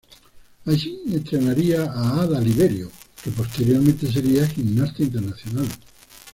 Allí entrenaría a Ada Liberio, que posteriormente sería gimnasta internacional.